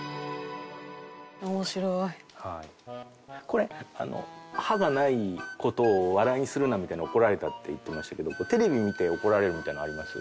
これあの「歯がない事を笑いにするなみたいに怒られた」って言ってましたけどテレビ見て怒られるみたいなのあります？